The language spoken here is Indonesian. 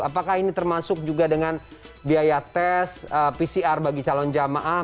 apakah ini termasuk juga dengan biaya tes pcr bagi calon jamaah